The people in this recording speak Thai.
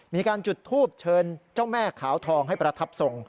มีการจุดทูบเชิญเจ้าแม่ขาวทองให้ประทับทรง